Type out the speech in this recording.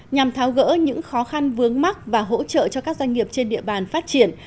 nhằm tháo gỡ những khó khăn vướng mắc và hỗ trợ cho các doanh nghiệp trên địa bàn phát triển